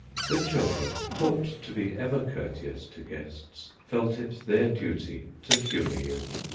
The children, taught to be ever courteous to guests, felt it their duty to humour you.